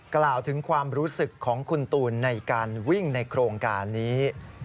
กล่าวถึงความรู้สึกของคุณตูนในการวิ่งในโครงการนี้